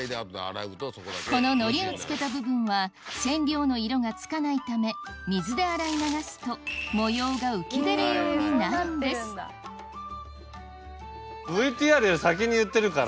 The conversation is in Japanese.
この糊をつけた部分は染料の色がつかないため水で洗い流すと模様が浮き出るようになるんですＶＴＲより先に言ってるから。